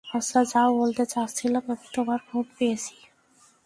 আচ্ছা, যা বলতে চাচ্ছিলাম, আমি তোমার ফোন পেয়েছি।